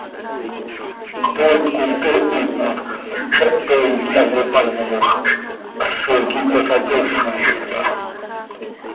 Cpoot coi toohit ma, xepe iiqui hayopáncojc, haso quih cöhasatoofija taa.